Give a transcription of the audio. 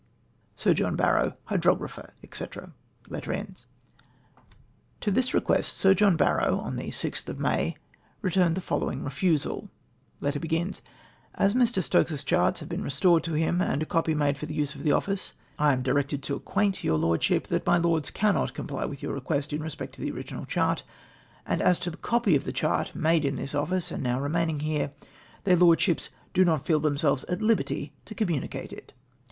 '' .Sir Jolin Barrow, Hyclrograplier, e'vrc." To tins i eqiiest Sir John Barrow, on the Gtli of May, returned the following refusal :—'•' As Mr. Stokes's charts liave been restored to him, and « copy made for ihe use of the office, I am directed to acquaint SINGULAR ADMIRALTY MINUTE. 7 your Lordship that my Lords cannot comply with your request in respect to the original chart, and as to the copy of the chart made in this office and now remaining here, their Lord ships do not feel themselves at liberty to communicate it.